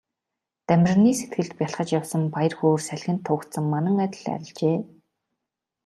Дамираны сэтгэлд бялхаж явсан баяр хөөр салхинд туугдсан манан адил арилжээ.